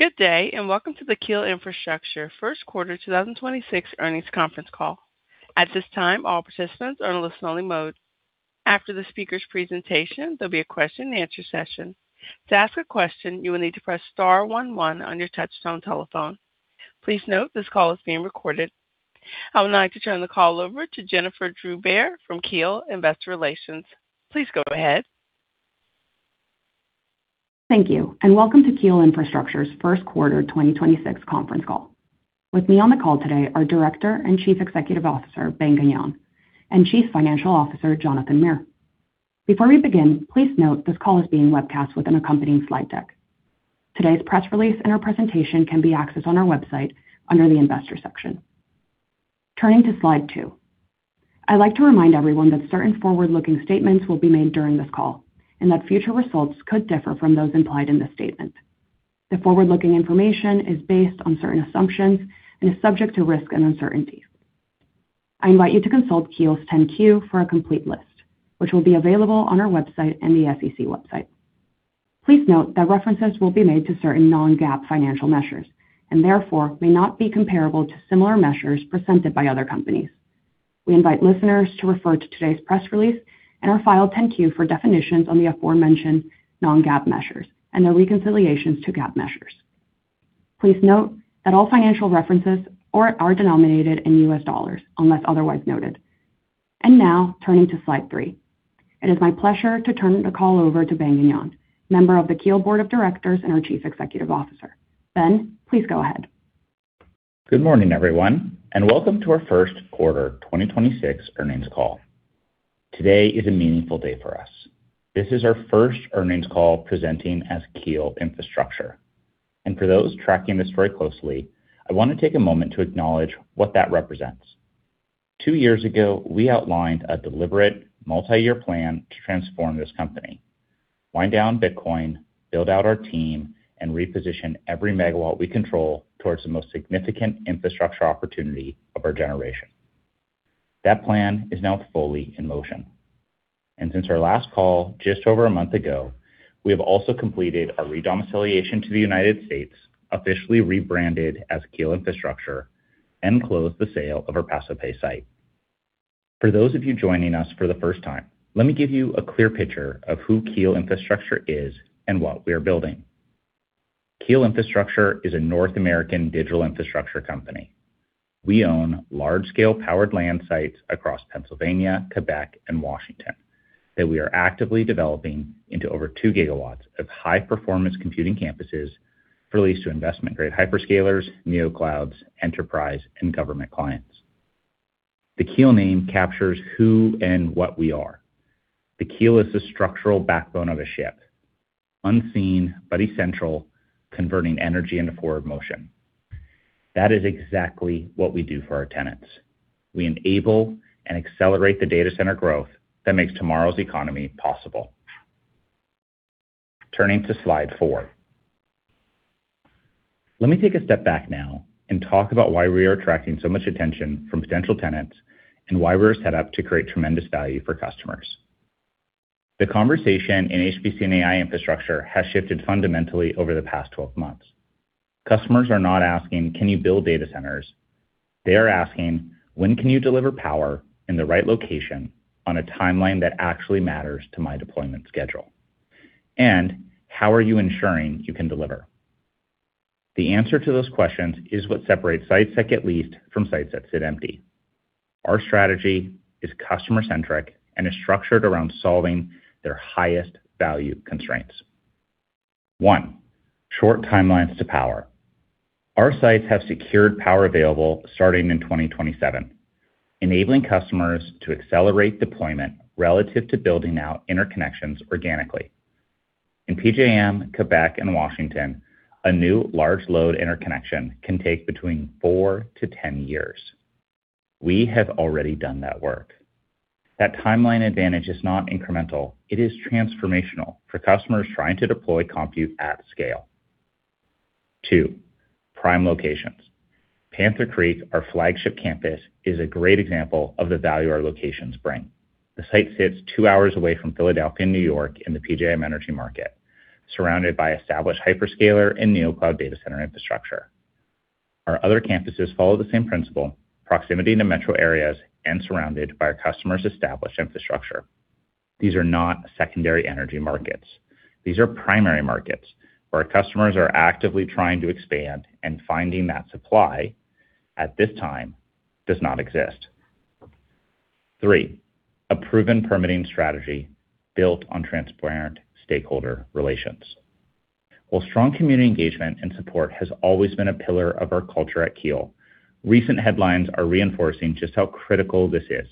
Good day. Welcome to the Keel Infrastructure first quarter 2026 earnings conference call. At this time, all participants are in listen-only mode. After the speaker's presentation, there'll be a question and answer session. To ask a question, you will need to press star one one on your touchtone telephone. Please note this call is being recorded. I would like to turn the call over to Jennifer Drew-Bear from Keel Investor Relations. Please go ahead. Thank you, and welcome to Keel Infrastructure's first quarter 2026 conference call. With me on the call today are Director and Chief Executive Officer, Ben Gagnon, and Chief Financial Officer, Jonathan Mir. Before we begin, please note this call is being webcast with an accompanying slide deck. Today's press release and our presentation can be accessed on our website under the Investors section. Turning to slide 2. I'd like to remind everyone that certain forward-looking statements will be made during this call and that future results could differ from those implied in this statement. The forward-looking information is based on certain assumptions and is subject to risk and uncertainty. I invite you to consult Keel's 10-Q for a complete list, which will be available on our website and the SEC website. Please note that references will be made to certain non-GAAP financial measures, and therefore may not be comparable to similar measures presented by other companies. We invite listeners to refer to today's press release and our file 10-Q for definitions on the aforementioned non-GAAP measures and their reconciliations to GAAP measures. Please note that all financial references are denominated in US dollars unless otherwise noted. Now, turning to slide 3. It is my pleasure to turn the call over to Ben Gagnon, Member of the Keel Board of Directors and our Chief Executive Officer. Ben, please go ahead. Good morning, everyone, and welcome to our first quarter 2026 earnings call. Today is a meaningful day for us. This is our first earnings call presenting as Keel Infrastructure. For those tracking this very closely, I want to take a moment to acknowledge what that represents. 2 years ago, we outlined a deliberate multi-year plan to transform this company. Wind down Bitcoin, build out our team, and reposition every megawatt we control towards the most significant infrastructure opportunity of our generation. That plan is now fully in motion. Since our last call just over a month ago, we have also completed our re-domiciliation to the U.S., officially rebranded as Keel Infrastructure, and closed the sale of our Paso Pe site. For those of you joining us for the first time, let me give you a clear picture of who Keel Infrastructure is and what we are building. Keel Infrastructure is a North American digital infrastructure company. We own large-scale powered land sites across Pennsylvania, Quebec, and Washington that we are actively developing into over 2 GW of high-performance computing campuses for lease to investment-grade hyperscalers, neoclouds, enterprise, and government clients. The Keel name captures who and what we are. The Keel is the structural backbone of a ship, unseen but essential, converting energy into forward motion. That is exactly what we do for our tenants. We enable and accelerate the data center growth that makes tomorrow's economy possible. Turning to slide 4. Let me take a step back now and talk about why we are attracting so much attention from potential tenants and why we're set up to create tremendous value for customers. The conversation in HPC and AI infrastructure has shifted fundamentally over the past 12 months. Customers are not asking, "Can you build data centers?" They are asking, "When can you deliver power in the right location on a timeline that actually matters to my deployment schedule?" "How are you ensuring you can deliver?" The answer to those questions is what separates sites that get leased from sites that sit empty. Our strategy is customer-centric and is structured around solving their highest value constraints. 1, short timelines to power. Our sites have secured power available starting in 2027, enabling customers to accelerate deployment relative to building out interconnections organically. In PJM, Quebec, and Washington, a new large load interconnection can take between 4-10 years. We have already done that work. That timeline advantage is not incremental. It is transformational for customers trying to deploy compute at scale. 2, prime locations. Panther Creek, our flagship campus, is a great example of the value our locations bring. The site sits 2 hours away from Philadelphia and New York in the PJM energy market, surrounded by established hyperscaler and neocloud data center infrastructure. Our other campuses follow the same principle, proximity to metro areas and surrounded by our customers' established infrastructure. These are not secondary energy markets. These are primary markets where our customers are actively trying to expand and finding that supply at this time does not exist. 3, a proven permitting strategy built on transparent stakeholder relations. While strong community engagement and support has always been a pillar of our culture at Keel, recent headlines are reinforcing just how critical this is.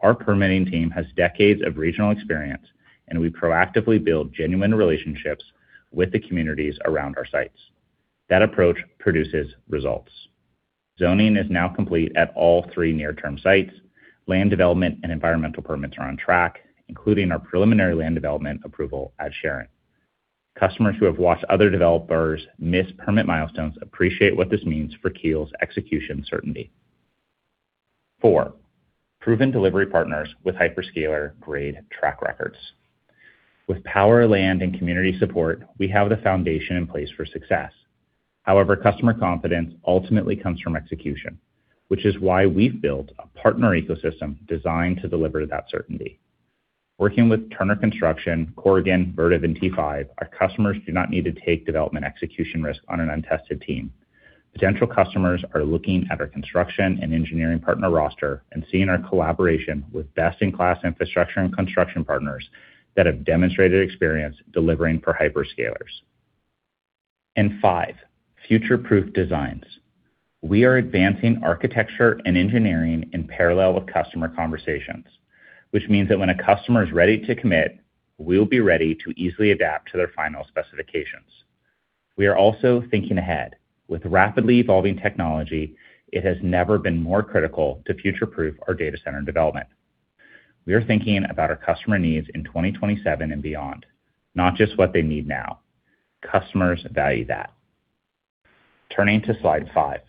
Our permitting team has decades of regional experience, and we proactively build genuine relationships with the communities around our sites. That approach produces results. Zoning is now complete at all three near-term sites. Land development and environmental permits are on track, including our preliminary land development approval at Sharon. Customers who have watched other developers miss permit milestones appreciate what this means for Keel's execution certainty. 4, proven delivery partners with hyperscaler grade track records. With power, land, and community support, we have the foundation in place for success. Customer confidence ultimately comes from execution, which is why we've built a partner ecosystem designed to deliver that certainty. Working with Turner Construction, Corgan, Vertiv, and T5, our customers do not need to take development execution risk on an untested team. Potential customers are looking at our construction and engineering partner roster and seeing our collaboration with best-in-class infrastructure and construction partners that have demonstrated experience delivering for hyperscalers. 5, future-proof designs. We are advancing architecture and engineering in parallel with customer conversations, which means that when a customer is ready to commit, we will be ready to easily adapt to their final specifications. We are also thinking ahead. With rapidly evolving technology, it has never been more critical to future-proof our data center development. We are thinking about our customer needs in 2027 and beyond, not just what they need now. Customers value that. Turning to slide 5.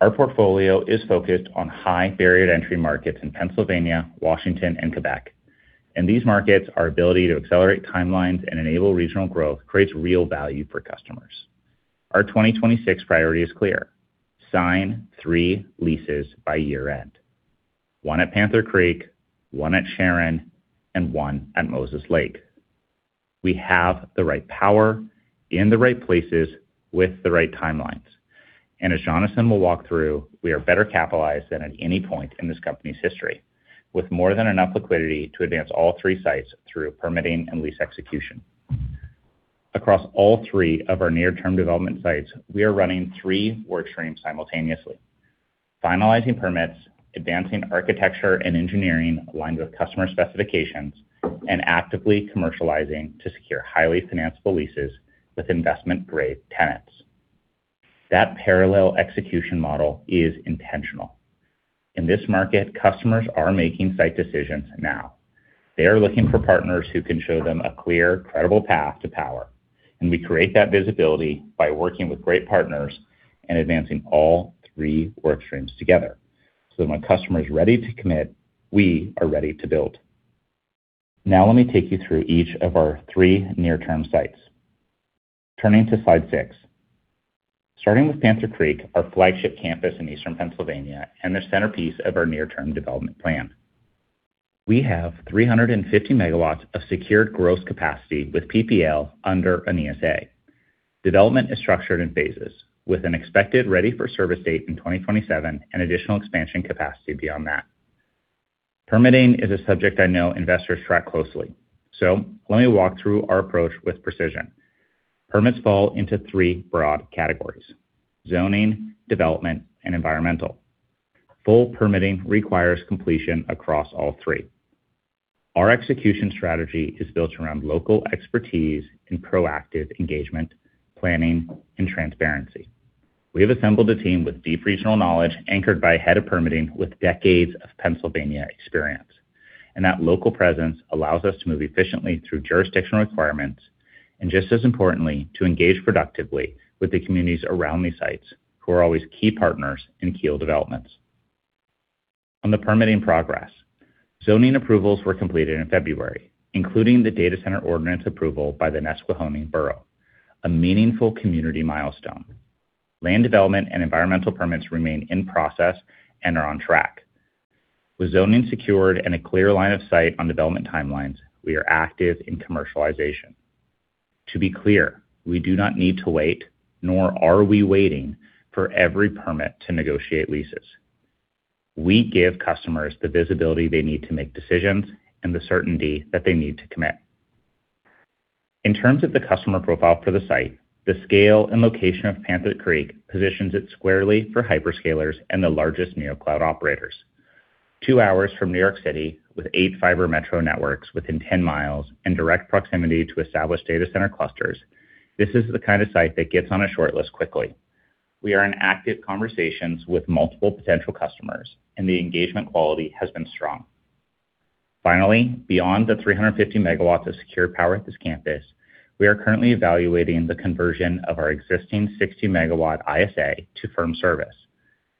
Our portfolio is focused on high barrier to entry markets in Pennsylvania, Washington, and Quebec. In these markets, our ability to accelerate timelines and enable regional growth creates real value for customers. Our 2026 priority is clear. Sign 3 leases by year-end, 1 at Panther Creek, 1 at Sharon, and 1 at Moses Lake. We have the right power in the right places with the right timelines. As Jonathan will walk through, we are better capitalized than at any point in this company's history, with more than enough liquidity to advance all 3 sites through permitting and lease execution. Across all 3 of our near-term development sites, we are running 3 work streams simultaneously. Finalizing permits, advancing A&E aligned with customer specifications, and actively commercializing to secure highly financiable leases with investment-grade tenants. That parallel execution model is intentional. In this market, customers are making site decisions now. They are looking for partners who can show them a clear, credible path to power, we create that visibility by working with great partners and advancing all 3 work streams together. When a customer is ready to commit, we are ready to build. Let me take you through each of our 3 near-term sites. Turning to slide 6. Starting with Panther Creek, our flagship campus in Eastern Pennsylvania and the centerpiece of our near-term development plan. We have 350 MW of secured gross capacity with PPL under an ESA. Development is structured in phases, with an expected ready for service date in 2027 and additional expansion capacity beyond that. Permitting is a subject I know investors track closely. Let me walk through our approach with precision. Permits fall into 3 broad categories: zoning, development, and environmental. Full permitting requires completion across all 3. Our execution strategy is built around local expertise and proactive engagement, planning, and transparency. We have assembled a team with deep regional knowledge anchored by a head of permitting with decades of Pennsylvania experience, and that local presence allows us to move efficiently through jurisdictional requirements, and just as importantly, to engage productively with the communities around these sites, who are always key partners in Keel developments. On the permitting progress. Zoning approvals were completed in February, including the data center ordinance approval by the Nesquehoning Borough, a meaningful community milestone. Land development and environmental permits remain in process and are on track. With zoning secured and a clear line of sight on development timelines, we are active in commercialization. To be clear, we do not need to wait, nor are we waiting for every permit to negotiate leases. We give customers the visibility they need to make decisions and the certainty that they need to commit. In terms of the customer profile for the site, the scale and location of Panther Creek positions it squarely for hyperscalers and the largest neo cloud operators. 2 hours from New York City with 8 fiber metro networks within 10 miles and direct proximity to established data center clusters, this is the kind of site that gets on a short list quickly. We are in active conversations with multiple potential customers, and the engagement quality has been strong. Beyond the 350 MW of secure power at this campus, we are currently evaluating the conversion of our existing 60 MW ISA to firm service,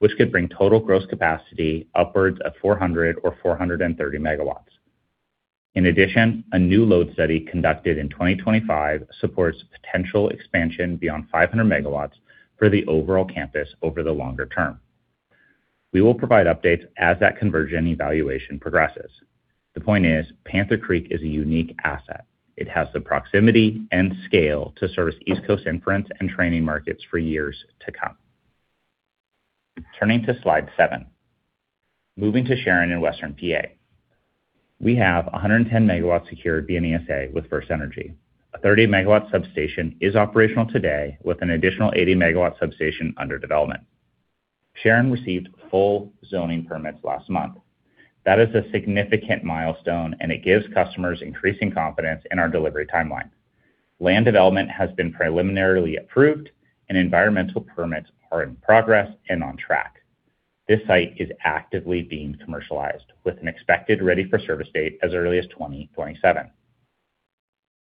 which could bring total gross capacity upwards of 400 MW or 430 MW. A new load study conducted in 2025 supports potential expansion beyond 500 MW for the overall campus over the longer term. We will provide updates as that conversion evaluation progresses. The point is, Panther Creek is a unique asset. It has the proximity and scale to service East Coast inference and training markets for years to come. Turning to slide 7. Moving to Western P.A. We have 110 MW secured via an ESA with FirstEnergy. A 30 MW substation is operational today with an additional 80 MW substation under development. Sharon received full zoning permits last month. That is a significant milestone, and it gives customers increasing confidence in our delivery timeline. Land development has been preliminarily approved, and environmental permits are in progress and on track. This site is actively being commercialized with an expected ready for service date as early as 2027.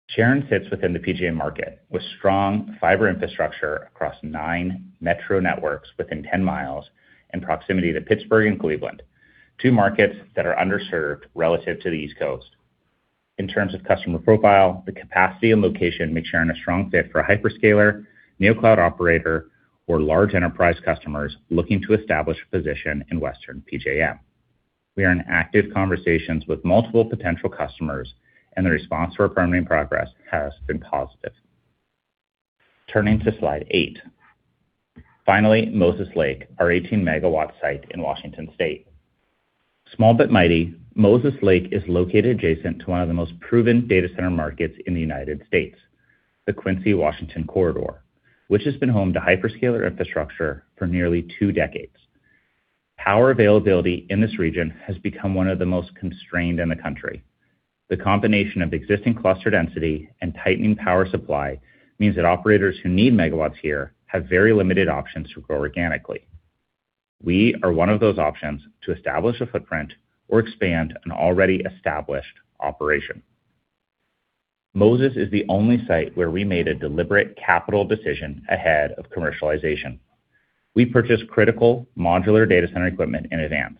Sharon sits within the PJM market with strong fiber infrastructure across 9 metro networks within 10 miles in proximity to Pittsburgh and Cleveland, two markets that are underserved relative to the East Coast. In terms of customer profile, the capacity and location make Sharon a strong fit for a hyperscaler, neo cloud operator, or large enterprise customers looking to establish a position in Western PJM. We are in active conversations with multiple potential customers, and the response to our programming progress has been positive. Turning to slide 8. Finally, Moses Lake, our 18 MW site in Washington State. Small but mighty, Moses Lake is located adjacent to one of the most proven data center markets in the U.S., the Quincy, Washington corridor, which has been home to hyperscaler infrastructure for nearly two decades. Power availability in this region has become one of the most constrained in the country. The combination of existing cluster density and tightening power supply means that operators who need megawatts here have very limited options to grow organically. We are one of those options to establish a footprint or expand an already established operation. Moses is the only site where we made a deliberate capital decision ahead of commercialization. We purchased critical modular data center equipment in advance.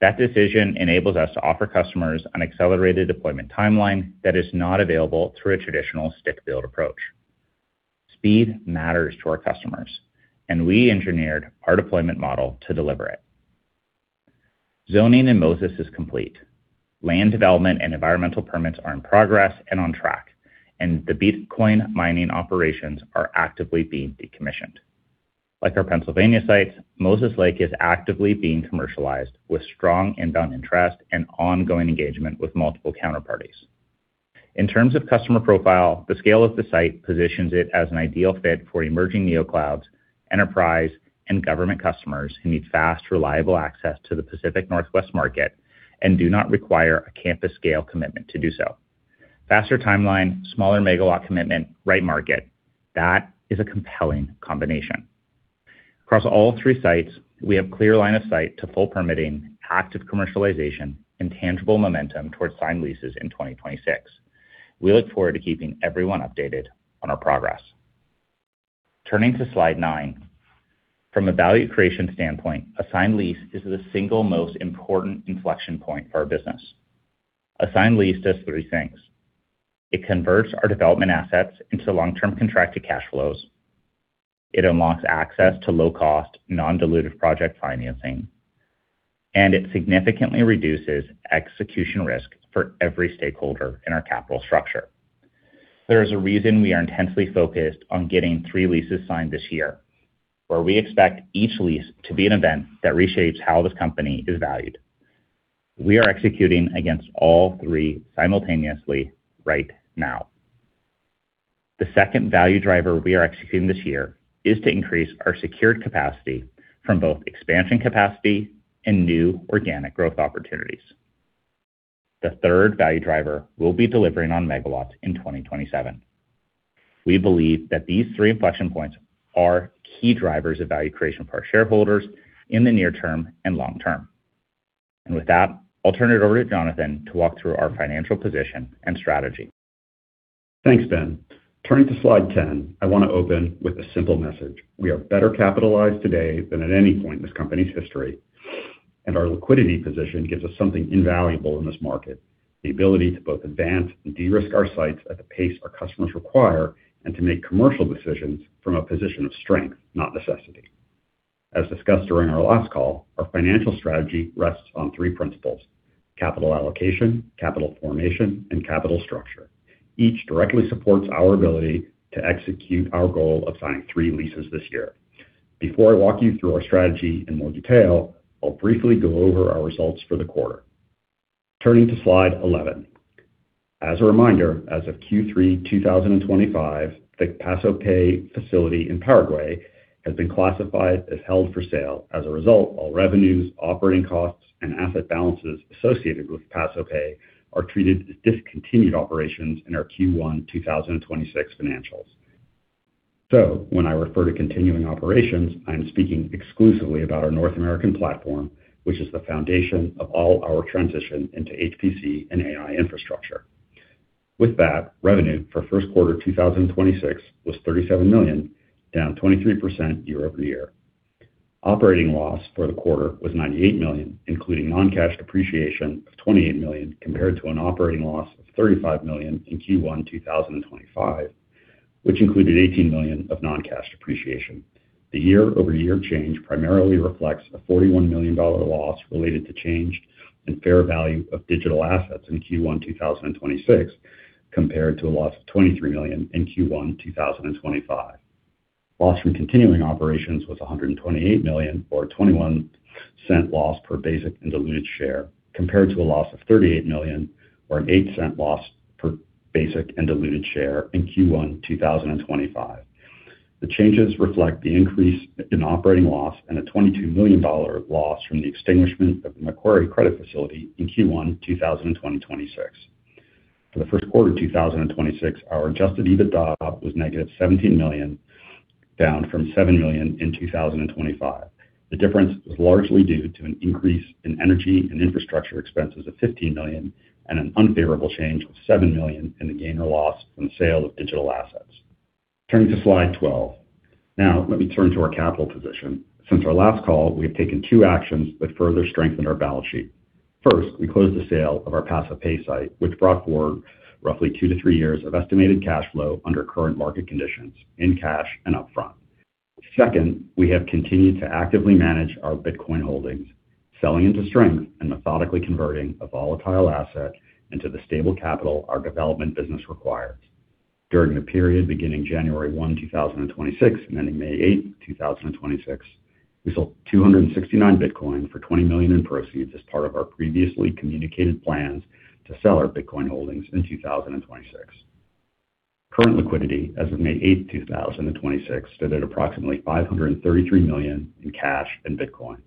That decision enables us to offer customers an accelerated deployment timeline that is not available through a traditional stick build approach. Speed matters to our customers, and we engineered our deployment model to deliver it. Zoning in Moses is complete. Land development and environmental permits are in progress and on track, and the Bitcoin mining operations are actively being decommissioned. Like our Pennsylvania sites, Moses Lake is actively being commercialized with strong inbound interest and ongoing engagement with multiple counterparties. In terms of customer profile, the scale of the site positions it as an ideal fit for emerging neo clouds, enterprise, and government customers who need fast, reliable access to the Pacific Northwest market and do not require a campus scale commitment to do so. Faster timeline, smaller megawatt commitment, right market. That is a compelling combination. Across all 3 sites, we have clear line of sight to full permitting, active commercialization, and tangible momentum towards signed leases in 2026. We look forward to keeping everyone updated on our progress. Turning to slide 9. From a value creation standpoint, a signed lease is the single most important inflection point for our business. A signed lease does 3 things. It converts our development assets into long-term contracted cash flows. It unlocks access to low cost, non-dilutive project financing. It significantly reduces execution risk for every stakeholder in our capital structure. There is a reason we are intensely focused on getting 3 leases signed this year, where we expect each lease to be an event that reshapes how this company is valued. We are executing against all 3 simultaneously right now. The second value driver we are executing this year is to increase our secured capacity from both expansion capacity and new organic growth opportunities. The 3rd value driver will be delivering on megawatts in 2027. We believe that these three inflection points are key drivers of value creation for our shareholders in the near term and long term. With that, I'll turn it over to Jonathan to walk through our financial position and strategy. Thanks, Ben. Turning to slide 10, I want to open with a simple message. We are better capitalized today than at any point in this company's history, and our liquidity position gives us something invaluable in this market, the ability to both advance and de-risk our sites at the pace our customers require, and to make commercial decisions from a position of strength, not necessity. As discussed during our last call, our financial strategy rests on 3 principles: capital allocation, capital formation, and capital structure. Each directly supports our ability to execute our goal of signing 3 leases this year. Before I walk you through our strategy in more detail, I'll briefly go over our results for the quarter. Turning to slide 11. As a reminder, as of Q3 2025, the Paso Pe facility in Paraguay has been classified as held for sale. As a result, all revenues, operating costs, and asset balances associated with Paso Pe are treated as discontinued operations in our Q1 2026 financials. When I refer to continuing operations, I am speaking exclusively about our North American platform, which is the foundation of all our transition into HPC and AI infrastructure. With that, revenue for first quarter 2026 was $37 million, down 23% year-over-year. Operating loss for the quarter was $98 million, including non-cash depreciation of $28 million compared to an operating loss of $35 million in Q1 2025, which included $18 million of non-cash depreciation. The year-over-year change primarily reflects a $41 million loss related to change in fair value of digital assets in Q1 2026, compared to a loss of $23 million in Q1 2025. Loss from continuing operations was $128 million or a $0.21 loss per basic and diluted share, compared to a loss of $38 million or a $0.08 loss per basic and diluted share in Q1 2025. The changes reflect the increase in operating loss and a $22 million loss from the extinguishment of the Macquarie credit facility in Q1 2026. For the first quarter 2026, our adjusted EBITDA was negative $17 million, down from $7 million in 2025. The difference was largely due to an increase in energy and infrastructure expenses of $15 million and an unfavorable change of $7 million in the gain or loss from the sale of digital assets. Turning to slide 12. Let me turn to our capital position. Since our last call, we have taken two actions that further strengthen our balance sheet. First, we closed the sale of our Paso Pe site, which brought forward roughly 2-3 years of estimated cash flow under current market conditions in cash and upfront. Second, we have continued to actively manage our Bitcoin holdings, selling into strength and methodically converting a volatile asset into the stable capital our development business requires. During the period beginning January 1, 2026, and ending May 8, 2026, we sold 269 Bitcoin for $20 million in proceeds as part of our previously communicated plans to sell our Bitcoin holdings in 2026. Current liquidity as of May 8, 2026, stood at approximately $533 million in cash and Bitcoin.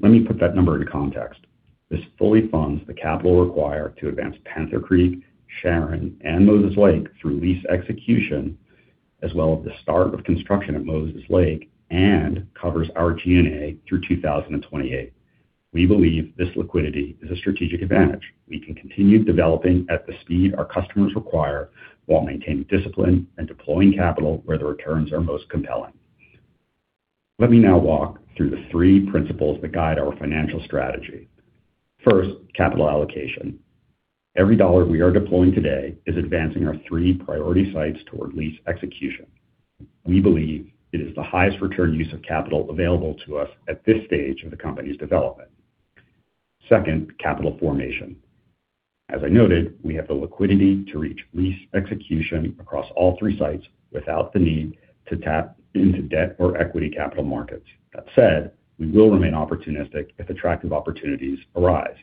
Let me put that number into context. This fully funds the capital required to advance Panther Creek, Sharon, and Moses Lake through lease execution, as well as the start of construction at Moses Lake and covers our G&A through 2028. We believe this liquidity is a strategic advantage. We can continue developing at the speed our customers require while maintaining discipline and deploying capital where the returns are most compelling. Let me now walk through the three principles that guide our financial strategy. First, capital allocation. Every dollar we are deploying today is advancing our three priority sites toward lease execution. We believe it is the highest return use of capital available to us at this stage of the company's development. Second, capital formation. As I noted, we have the liquidity to reach lease execution across all three sites without the need to tap into debt or equity capital markets. That said, we will remain opportunistic if attractive opportunities arise.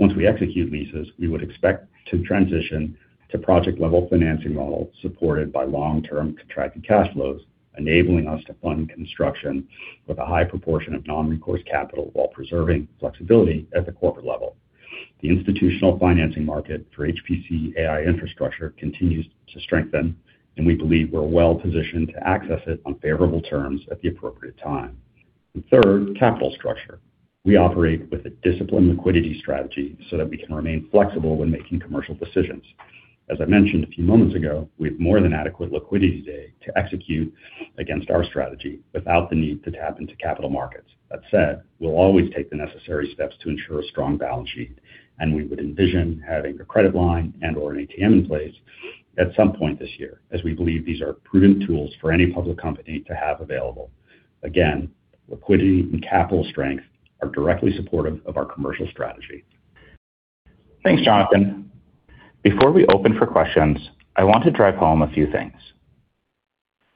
Once we execute leases, we would expect to transition to project-level financing models supported by long-term contracted cash flows, enabling us to fund construction with a high proportion of non-recourse capital while preserving flexibility at the corporate level. The institutional financing market for HPC AI infrastructure continues to strengthen, we believe we're well-positioned to access it on favorable terms at the appropriate time. Third, capital structure. We operate with a disciplined liquidity strategy so that we can remain flexible when making commercial decisions. As I mentioned a few moments ago, we have more than adequate liquidity today to execute against our strategy without the need to tap into capital markets. That said, we'll always take the necessary steps to ensure a strong balance sheet, and we would envision having a credit line and/or an ATM in place at some point this year, as we believe these are prudent tools for any public company to have available. Again, liquidity and capital strength are directly supportive of our commercial strategy. Thanks, Jonathan. Before we open for questions, I want to drive home a few things.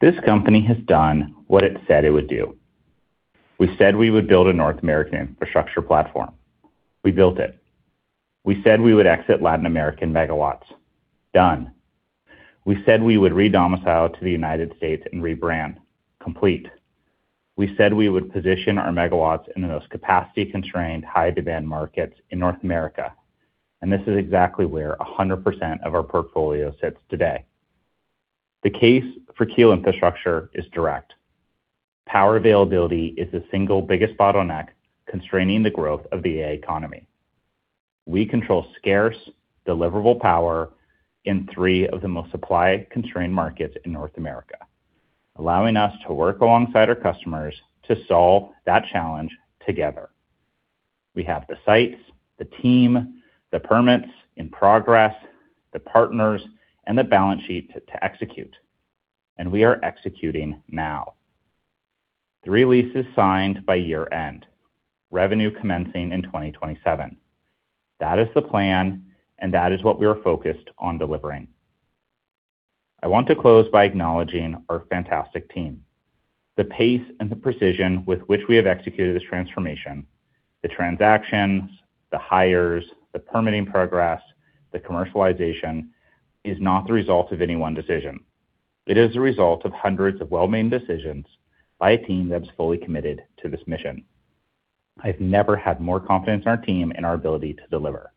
This company has done what it said it would do. We said we would build a North American infrastructure platform. We built it. We said we would exit Latin American megawatts. Done. We said we would re-domicile to the United States and rebrand. Complete. We said we would position our megawatts in the most capacity-constrained, high-demand markets in North America, and this is exactly where 100% of our portfolio sits today. The case for Keel Infrastructure is direct. Power availability is the single biggest bottleneck constraining the growth of the AI economy. We control scarce, deliverable power in 3 of the most supply-constrained markets in North America, allowing us to work alongside our customers to solve that challenge together. We have the sites, the team, the permits in progress, the partners, and the balance sheet to execute. We are executing now. 3 leases signed by year-end, revenue commencing in 2027. That is the plan. That is what we are focused on delivering. I want to close by acknowledging our fantastic team. The pace and the precision with which we have executed this transformation, the transactions, the hires, the permitting progress, the commercialization, is not the result of any 1 decision. It is the result of hundreds of well-made decisions by a team that is fully committed to this mission. I've never had more confidence in our team and our ability to deliver.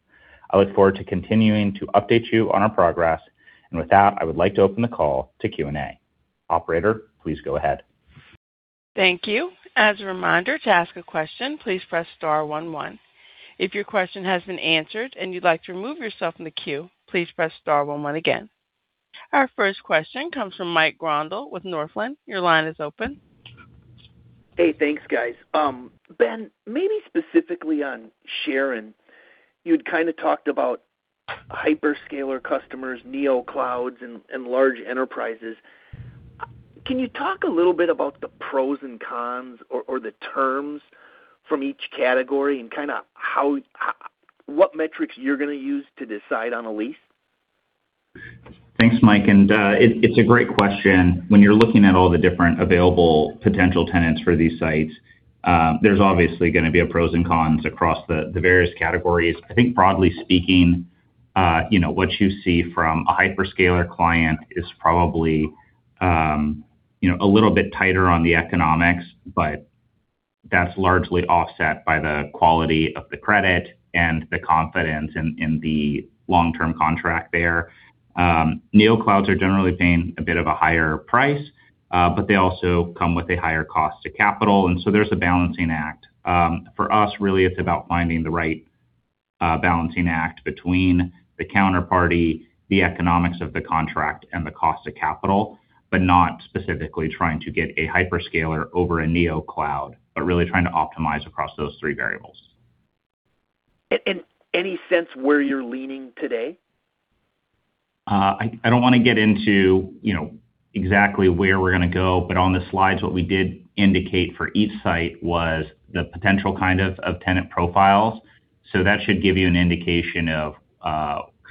I look forward to continuing to update you on our progress. With that, I would like to open the call to Q&A. Operator, please go ahead. Thank you. As a reminder, to ask a question, please press star one one. If your question has been answered and you'd like to remove yourself from the queue, please press star one one again. Our first question comes from Mike Grondahl with Northland. Your line is open. Hey, thanks, guys. Ben, maybe specifically on Sherbrooke, you'd kind of talked about hyperscaler customers, neoclouds, and large enterprises. Can you talk a little bit about the pros and cons or the terms from each category and what metrics you're going to use to decide on a lease? Thanks, Mike, it's a great question. When you're looking at all the different available potential tenants for these sites, there's obviously going to be pros and cons across the various categories. I think broadly speaking, you know, what you see from a hyperscaler client is probably, you know, a little bit tighter on the economics. That's largely offset by the quality of the credit and the confidence in the long-term contract there. Neoclouds are generally paying a bit of a higher price. They also come with a higher cost to capital. There's a balancing act. For us, really, it's about finding the right balancing act between the counterparty, the economics of the contract, and the cost to capital, but not specifically trying to get a hyperscaler over a neocloud, but really trying to optimize across those three variables. Any sense where you're leaning today? I don't wanna get into, you know, exactly where we're gonna go, but on the slides, what we did indicate for each site was the potential, kind of tenant profiles. That should give you an indication of,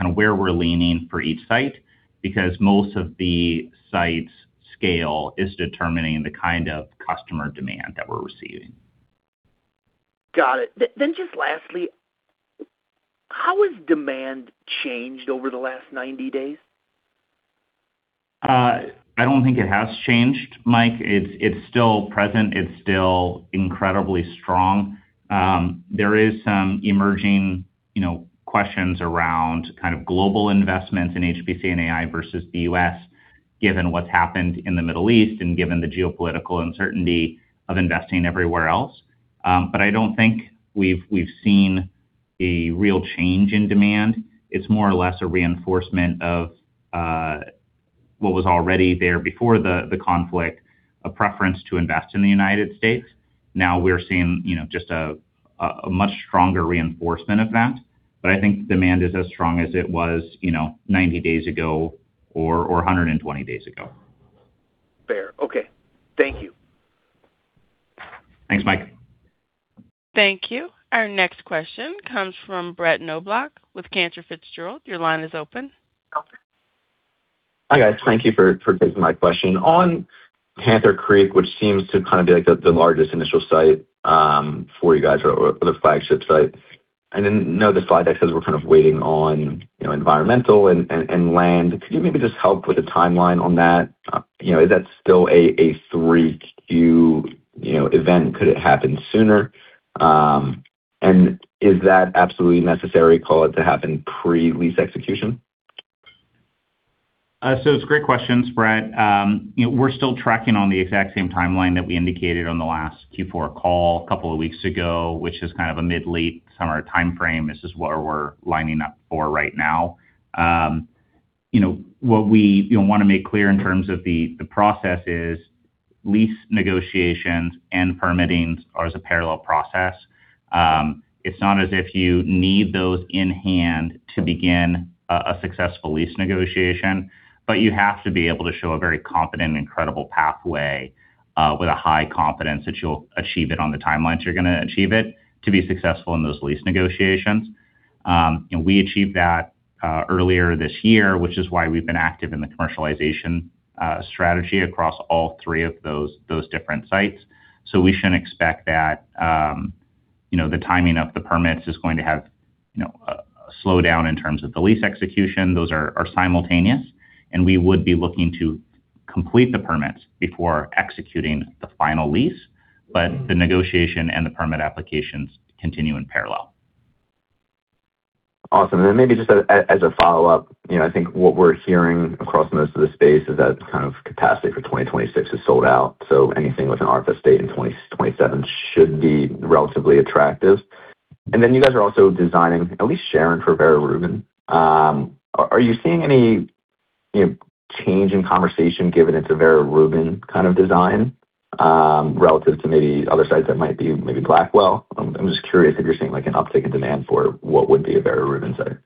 kind of where we're leaning for each site because most of the site's scale is determining the kind of customer demand that we're receiving. Got it. Then just lastly, how has demand changed over the last 90 days? I don't think it has changed, Mike. It's still present. It's still incredibly strong. There is some emerging, you know, questions around kind of global investments in HPC and AI versus the U.S., given what's happened in the Middle East and given the geopolitical uncertainty of investing everywhere else. I don't think we've seen a real change in demand. It's more or less a reinforcement of what was already there before the conflict, a preference to invest in the United States. Now we're seeing, you know, just a much stronger reinforcement of that. I think demand is as strong as it was, you know, 90 days ago or 120 days ago. Fair. Okay. Thank you. Thanks, Mike. Thank you. Our next question comes from Brett Knoblauch with Cantor Fitzgerald. Your line is open. Hi, guys. Thank you for taking my question. On Panther Creek, which seems to kind of be, like, the largest initial site for you guys or the flagship site. I didn't know the slide that says we're kind of waiting on, you know, environmental and land. Could you maybe just help with a timeline on that? You know, is that still a 3Q, you know, event? Could it happen sooner? Is that absolutely necessary, call it, to happen pre-lease execution? It's great questions, Brett. You know, we're still tracking on the exact same timeline that we indicated on the last Q4 call a couple of weeks ago, which is kind of a mid-late summer timeframe. This is what we're lining up for right now. You know, what we, you know, wanna make clear in terms of the process is lease negotiations and permitting are as a parallel process. It's not as if you need those in hand to begin a successful lease negotiation, but you have to be able to show a very confident and credible pathway, with a high confidence that you'll achieve it on the timelines you're gonna achieve it to be successful in those lease negotiations. We achieved that earlier this year, which is why we've been active in the commercialization strategy across all 3 of those different sites. We shouldn't expect that, you know, the timing of the permits is going to have, you know, a slowdown in terms of the lease execution. Those are simultaneous, and we would be looking to complete the permits before executing the final lease. The negotiation and the permit applications continue in parallel. Awesome. Maybe just as a follow-up, you know, I think what we're hearing across most of the space is that kind of capacity for 2026 is sold out, anything with an ARPA state in 2027 should be relatively attractive. Then you guys are also designing, at least sharing for Vera Rubin. Are you seeing any, you know, change in conversation given it's a Vera Rubin kind of design, relative to maybe other sites that might be maybe Blackwell? I'm just curious if you're seeing, like, an uptick in demand for what would be a Vera Rubin site.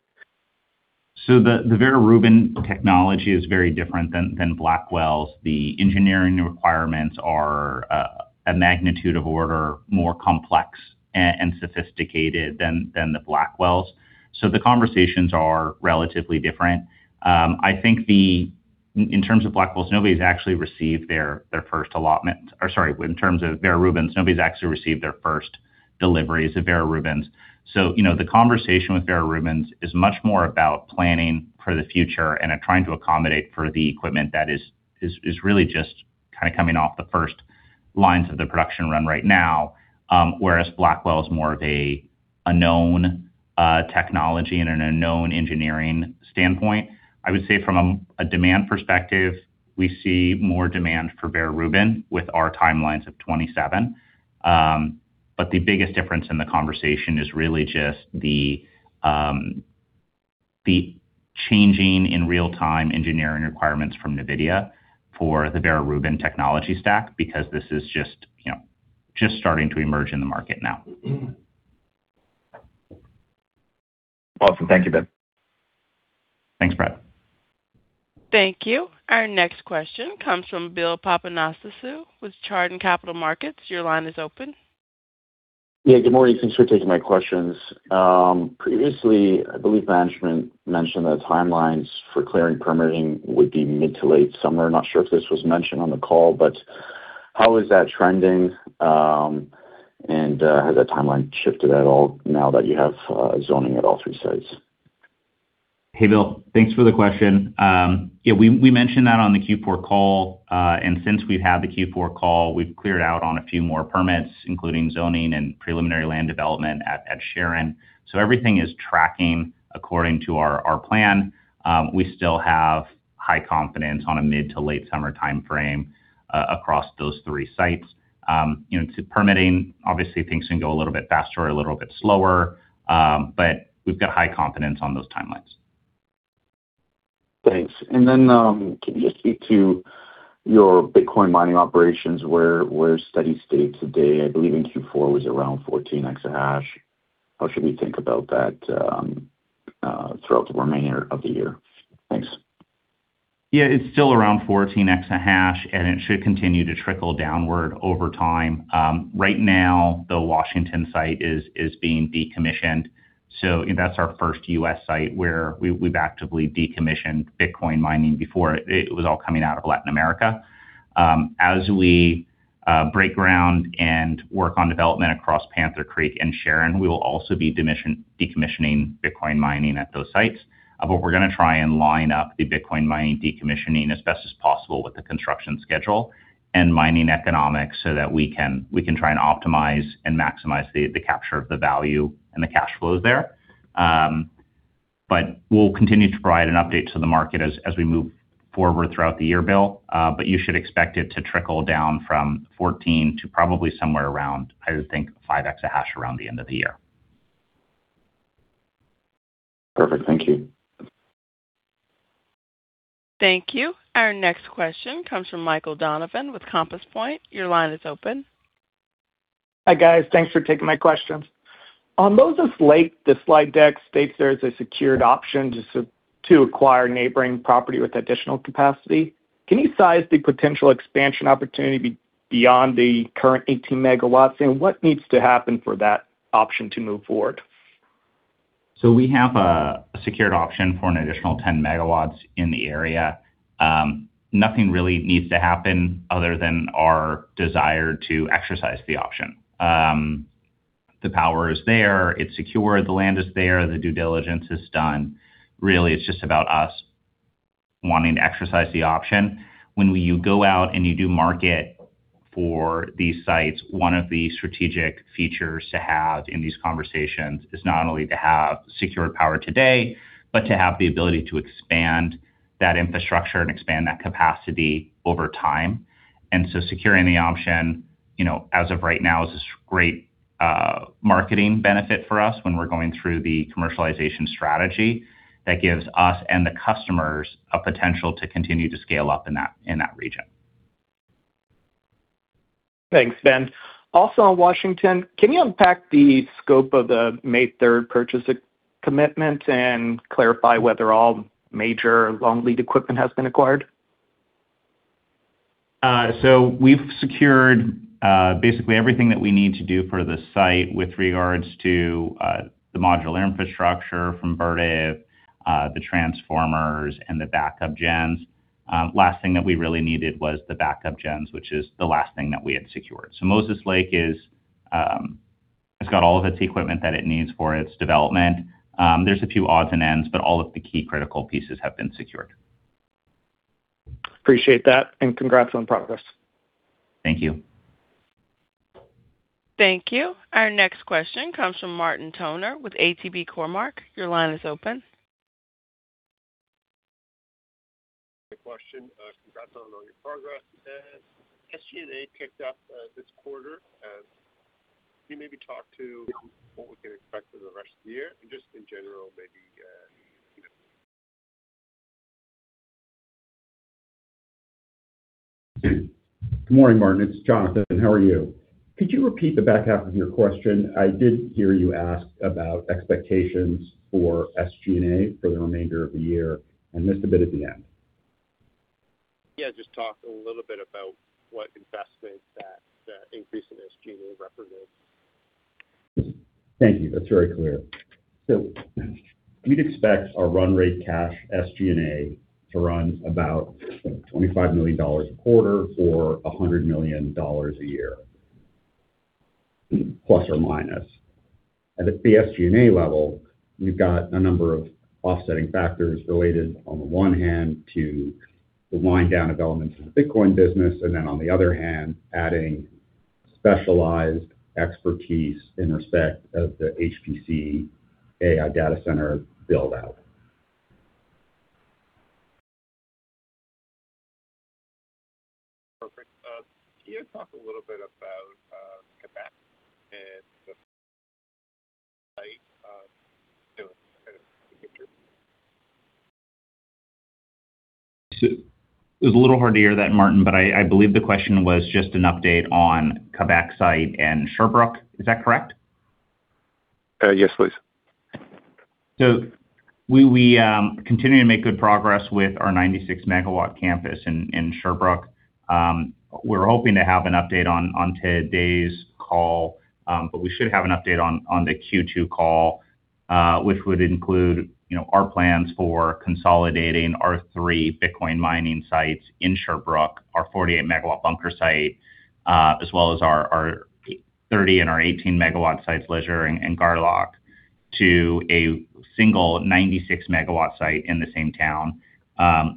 The Vera Rubin technology is very different than Blackwell. The engineering requirements are a magnitude of order more complex and sophisticated than Blackwell. The conversations are relatively different. I think in terms of Blackwell, nobody's actually received their first allotment. Or sorry, in terms of Vera Rubin, nobody's actually received their first deliveries of Vera Rubin. You know, the conversation with Vera Rubin is much more about planning for the future and are trying to accommodate for the equipment that is really just kind of coming off the first lines of the production run right now. Whereas Blackwell is more of a known technology and a known engineering standpoint. I would say from a demand perspective, we see more demand for Vera Rubin with our timelines of 2027. The biggest difference in the conversation is really just the changing in real-time engineering requirements from NVIDIA for the Vera Rubin technology stack because this is just starting to emerge in the market now. Awesome. Thank you, Ben. Thanks, Brett. Thank you. Our next question comes from Bill Papanastasiou with Chardan Capital Markets. Your line is open. Yeah, good morning. Thanks for taking my questions. Previously, I believe management mentioned the timelines for clearing permitting would be mid to late summer. Not sure if this was mentioned on the call, how is that trending? Has that timeline shifted at all now that you have zoning at all three sites? Hey, Bill. Thanks for the question. Yeah, we mentioned that on the Q4 call. Since we've had the Q4 call, we've cleared out on a few more permits, including zoning and preliminary land development at Sharon. Everything is tracking according to our plan. We still have high confidence on a mid to late summer timeframe across those 3 sites. You know, to permitting, obviously things can go a little bit faster or a little bit slower, we've got high confidence on those timelines. Thanks. Can you just speak to your Bitcoin mining operations, where steady state today, I believe in Q4 was around 14 exahash? How should we think about that throughout the remainder of the year? Thanks. Yeah, it's still around 14 exahash. It should continue to trickle downward over time. Right now, the Washington site is being decommissioned. That's our first U.S. site where we've actively decommissioned Bitcoin mining. Before, it was all coming out of Latin America. As we break ground and work on development across Panther Creek and Sharon, we will also be decommissioning Bitcoin mining at those sites. We're gonna try and line up the Bitcoin mining decommissioning as best as possible with the construction schedule and mining economics so that we can try and optimize and maximize the capture of the value and the cash flows there. We'll continue to provide an update to the market as we move forward throughout the year, Bill. You should expect it to trickle down from 14 to probably somewhere around, I would think, 5 exahash around the end of the year. Perfect. Thank you. Thank you. Our next question comes from Michael Donovan with Compass Point. Your line is open. Hi, guys. Thanks for taking my questions. On Moses Lake, the slide deck states there is a secured option to acquire neighboring property with additional capacity. Can you size the potential expansion opportunity beyond the current 18 MW? What needs to happen for that option to move forward? We have a secured option for an additional 10 MW in the area. Nothing really needs to happen other than our desire to exercise the option. The power is there, it's secure, the land is there, the due diligence is done. Really, it's just about us wanting to exercise the option. When you go out and you do market for these sites, one of the strategic features to have in these conversations is not only to have secured power today, but to have the ability to expand that infrastructure and expand that capacity over time. Securing the option, you know, as of right now is this great marketing benefit for us when we're going through the commercialization strategy that gives us and the customers a potential to continue to scale up in that, in that region. Thanks, Ben. Also on question, can you unpack the scope of the May 3rd purchase commitment and clarify whether all major long lead equipment has been acquired? We've secured basically everything that we need to do for the site with regards to the modular infrastructure from Vertiv, the transformers and the backup gens. Last thing that we really needed was the backup gens, which is the last thing that we had secured. Moses Lake is, it's got all of its equipment that it needs for its development. There's a few odds and ends, but all of the key critical pieces have been secured. Appreciate that, and congrats on progress. Thank you. Thank you. Our next question comes from Martin Toner with ATB Cormark. Your line is open. Great question. Congrats on all your progress. SG&A ticked up this quarter. Can you maybe talk to what we can expect for the rest of the year and just in general, maybe, you know? Good morning, Martin. It's Jonathan. How are you? Could you repeat the back half of your question? I did hear you ask about expectations for SG&A for the remainder of the year and missed a bit at the end. Yeah, just talk a little bit about what investment that increase in SG&A represents. Thank you. That's very clear. We'd expect our run rate cash SG&A to run about $25 million a quarter for $100 million a year, plus or minus. At the SG&A level, we've got a number of offsetting factors related on the one hand to the wind down of elements of the Bitcoin business, and then on the other hand, adding specialized expertise in respect of the HPC AI data center build-out. Perfect. Can you talk a little bit about capacity at the site? It was a little hard to hear that, Martin, but I believe the question was just an update on Quebec site and Sherbrooke. Is that correct? Yes, please. We continue to make good progress with our 96 MW campus in Sherbrooke. We're hoping to have an update on today's call, but we should have an update on the Q2 call, which would include, you know, our plans for consolidating our 3 Bitcoin mining sites in Sherbrooke, our 48 MW Bunker site, as well as our 30 and our 18 MW sites, Leger and Garlock. To a single 96 MW site in the same town.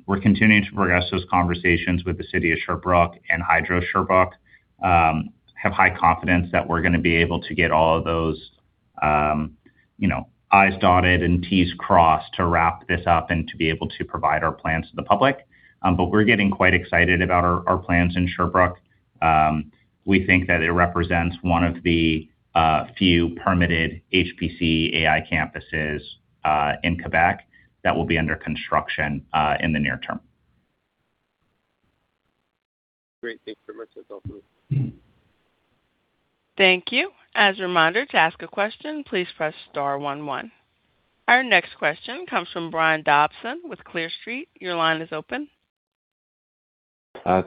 We're continuing to progress those conversations with the City of Sherbrooke and Hydro-Sherbrooke. We have high confidence that we're going to be able to get all of those, you know, I's dotted and T's crossed to wrap this up and to be able to provide our plans to the public. We're getting quite excited about our plans in Sherbrooke. We think that it represents one of the few permitted HPC AI campuses in Quebec that will be under construction in the near term. Great. Thank you very much. That's all for me. Thank you. As a reminder, to ask a question, please press star one one. Our next questions come from Brian Dobson with Clear Street. Your line is open.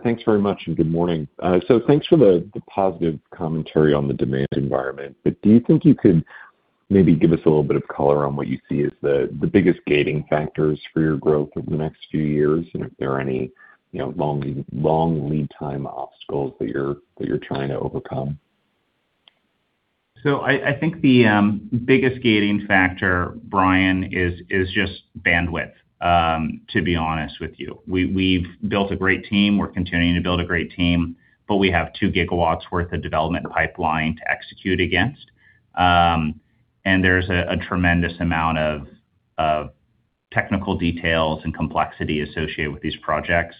Thanks very much. Good morning. Thanks for the positive commentary on the demand environment. Do you think you could maybe give us a little bit of color on what you see as the biggest gating factors for your growth over the next few years, and if there are any, you know, long lead time obstacles that you're trying to overcome? I think the biggest gating factor, Brian, is just bandwidth, to be honest with you. We've built a great team. We're continuing to build a great team, but we have 2 GW worth of development pipeline to execute against. There's a tremendous amount of technical details and complexity associated with these projects.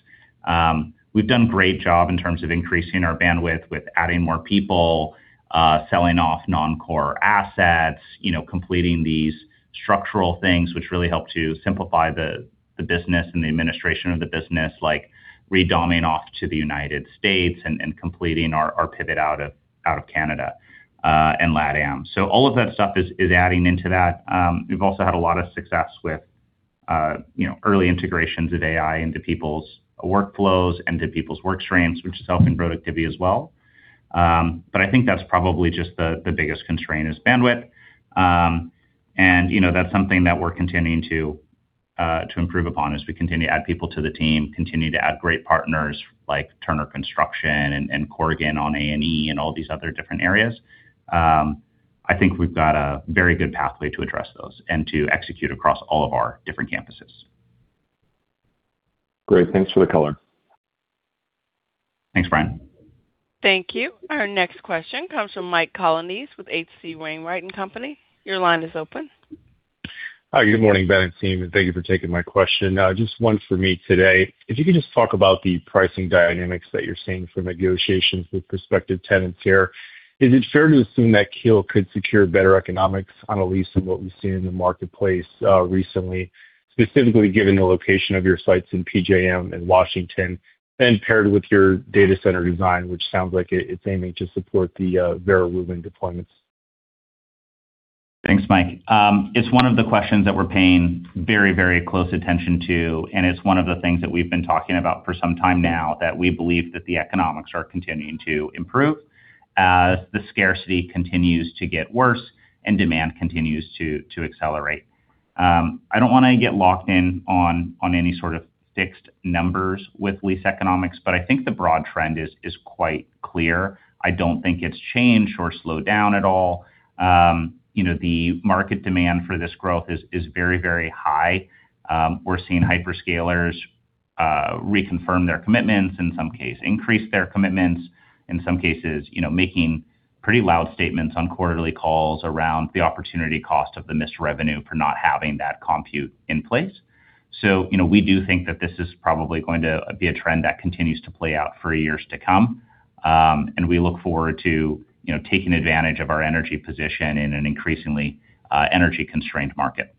We've done a great job in terms of increasing our bandwidth with adding more people, selling off non-core assets, you know, completing these structural things, which really help to simplify the business and the administration of the business, like re-doming off to the U.S. and completing our pivot out of Canada and LATAM. All of that stuff is adding into that. We've also had a lot of success with, you know, early integrations of AI into people's workflows and to people's work streams, which is helping productivity as well. I think that's probably just the biggest constraint is bandwidth. You know, that's something that we're continuing to improve upon as we continue to add people to the team, continue to add great partners like Turner Construction and Corgan on A&E and all these other different areas. I think we've got a very good pathway to address those and to execute across all of our different campuses. Great. Thanks for the color. Thanks, Brian. Thank you. Our next question comes from Mike Colonnese with H.C. Wainwright & Co. Your line is open. Hi. Good morning, Ben and team. Thank you for taking my question. Just one for me today. If you could just talk about the pricing dynamics that you're seeing from negotiations with prospective tenants here. Is it fair to assume that Keel could secure better economics on a lease than what we've seen in the marketplace recently, specifically given the location of your sites in PJM and Washington, then paired with your data center design, which sounds like it's aiming to support the Vera Rubin deployments? Thanks, Mike. It's one of the questions that we're paying very, very close attention to. It's one of the things that we've been talking about for some time now, that we believe that the economics are continuing to improve as the scarcity continues to get worse and demand continues to accelerate. I don't wanna get locked in on any sort of fixed numbers with lease economics. I think the broad trend is quite clear. I don't think it's changed or slowed down at all. You know, the market demand for this growth is very, very high. We're seeing hyperscalers reconfirm their commitments, in some case increase their commitments, in some cases, you know, making pretty loud statements on quarterly calls around the opportunity cost of the missed revenue for not having that compute in place. You know, we do think that this is probably going to be a trend that continues to play out for years to come. We look forward to, you know, taking advantage of our energy position in an increasingly energy-constrained market.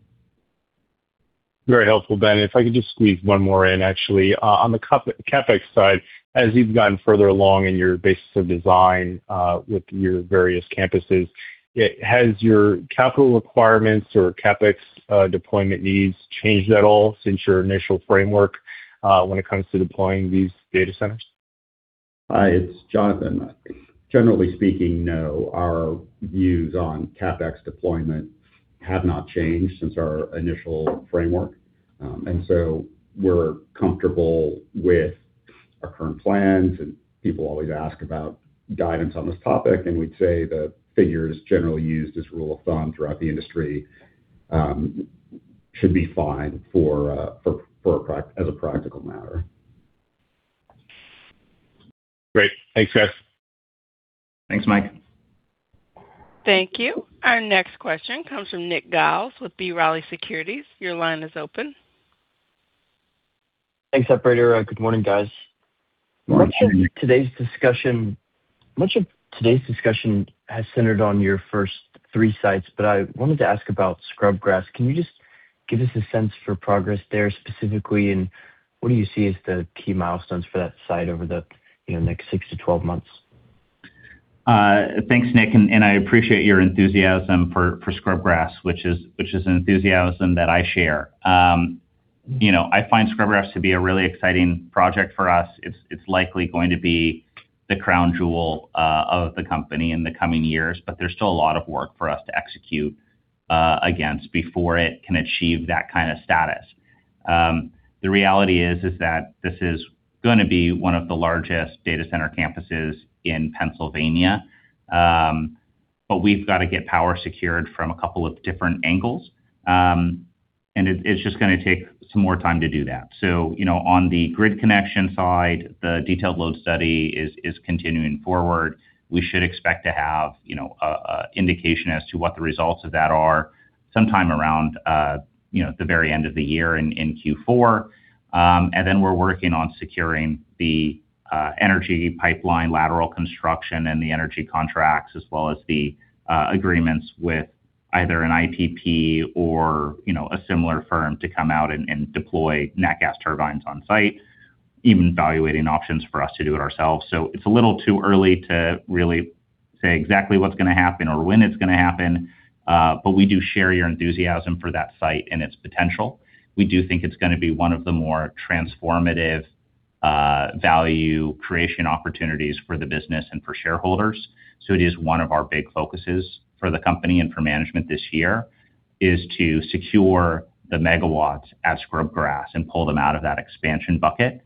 Very helpful, Ben. If I could just squeeze one more in, actually. On the CapEx side, as you've gotten further along in your basis of design, with your various campuses, has your capital requirements or CapEx deployment needs changed at all since your initial framework, when it comes to deploying these data centers? Hi, it's Jonathan. Generally speaking, no. Our views on CapEx deployment have not changed since our initial framework. We're comfortable with our current plans, and people always ask about guidance on this topic, and we'd say the figures generally used as rule of thumb throughout the industry should be fine as a practical matter. Great. Thanks, guys. Thanks, Mike. Thank you. Our next question comes from Nick Giles with B. Riley Securities. Your line is open. Thanks, operator. Good morning, guys. Good morning. Much of today's discussion has centered on your first 3 sites. I wanted to ask about Scrubgrass. Can you just give us a sense for progress there specifically? What do you see as the key milestones for that site over the, you know, next 6-12 months? Thanks, Nick, and I appreciate your enthusiasm for Scrubgrass, which is an enthusiasm that I share. You know, I find Scrubgrass to be a really exciting project for us. It's likely going to be the crown jewel of the company in the coming years, but there's still a lot of work for us to execute against before it can achieve that kind of status. The reality is that this is gonna be one of the largest data center campuses in Pennsylvania. But we've got to get power secured from a couple of different angles. And it's just gonna take some more time to do that. You know, on the grid connection side, the detailed load study is continuing forward. We should expect to have, you know, a indication as to what the results of that are sometime around, you know, the very end of the year in Q4. We're working on securing the energy pipeline lateral construction and the energy contracts as well as the agreements with either an IPP or, you know, a similar firm to come out and deploy nat gas turbines on site, even evaluating options for us to do it ourselves. It's a little too early to really say exactly what's gonna happen or when it's gonna happen, but we do share your enthusiasm for that site and its potential. We do think it's gonna be one of the more transformative value creation opportunities for the business and for shareholders. It is one of our big focuses for the company and for management this year, is to secure the megawatts at Scrubgrass and pull them out of that expansion bucket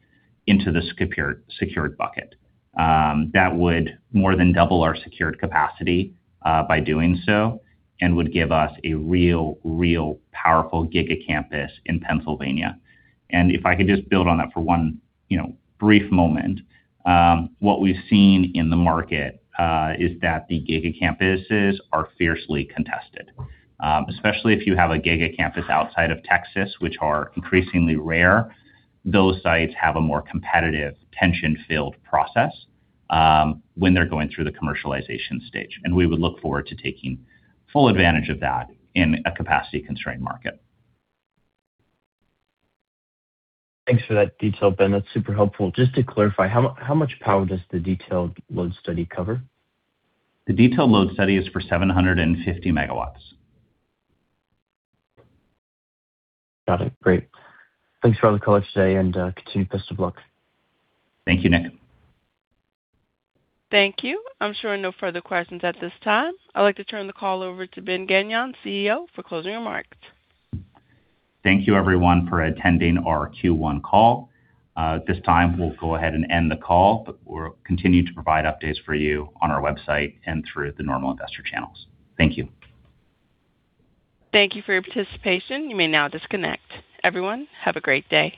into the secure, secured bucket. That would more than double our secured capacity by doing so, and would give us a real powerful giga-campus in Pennsylvania. If I could just build on that for one, you know, brief moment. What we've seen in the market is that the giga-campuses are fiercely contested. Especially if you have a giga-campus outside of Texas, which are increasingly rare. Those sites have a more competitive, tension-filled process when they're going through the commercialization stage. We would look forward to taking full advantage of that in a capacity-constrained market. Thanks for that detail, Ben. That's super helpful. Just to clarify, how much power does the detailed load study cover? The detailed load study is for 750 MW. Got it. Great. Thanks for all the color today. Continue. Best of luck. Thank you, Nick. Thank you. I'm showing no further questions at this time. I'd like to turn the call over to Ben Gagnon, CEO, for closing remarks. Thank you everyone for attending our Q1 call. At this time, we'll go ahead and end the call, but we'll continue to provide updates for you on our website and through the normal investor channels. Thank you. Thank you for your participation. You may now disconnect. Everyone, have a great day.